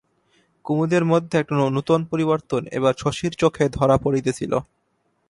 কুমুদের মধ্যে একটা নূতন পরিবর্তন এবার শশীর চোখে ধরা পড়িতেছিল।